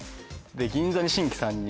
銀座に新規参入！